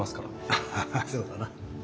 アハハそうだな。